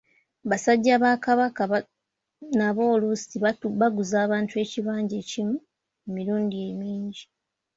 Basajja ba Kabaka nabo oluusi baguza abantu ekibanja kyekimu emirundi mingi.